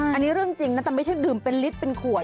อันนี้เรื่องจริงนะแต่ไม่ใช่ดื่มเป็นลิตรเป็นขวด